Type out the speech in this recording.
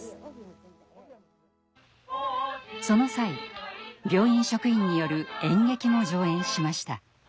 その際病院職員による演劇も上演しました。